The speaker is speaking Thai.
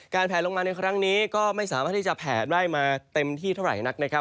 แผลลงมาในครั้งนี้ก็ไม่สามารถที่จะแผ่ได้มาเต็มที่เท่าไหร่นักนะครับ